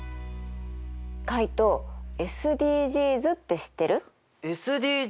カイトＳＤＧｓって知ってる？